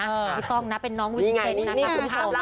ไม่ต้องนะเป็นน้องวินเซนต์นะครับ